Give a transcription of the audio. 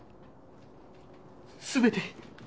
全て。